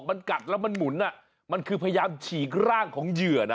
มันกัดแล้วมันหมุนมันคือพยายามฉีกร่างของเหยื่อนะ